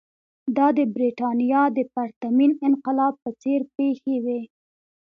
دا د برېټانیا د پرتمین انقلاب په څېر پېښې وې.